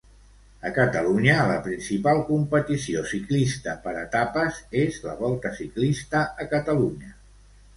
A Catalunya, la principal competició ciclista per etapes és la Volta Ciclista a Catalunya.